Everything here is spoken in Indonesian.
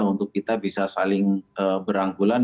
untuk kita bisa saling berangkulan